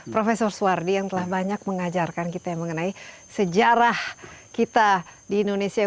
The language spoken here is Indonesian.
profesor suwardi yang telah banyak mengajarkan kita mengenai sejarah kita di indonesia